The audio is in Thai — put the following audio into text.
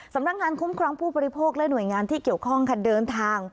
สำนักงานคุ้มครองผู้บริโภคและหน่วยงานที่เกี่ยวข้องค่ะเดินทาง